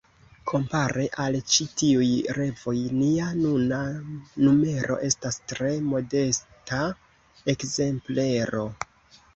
Kompare al ĉi tiuj revoj nia nuna numero estas tre modesta ekzemplero.